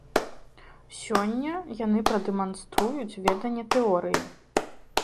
Сёння яны прадэманструюць веданне тэорыі.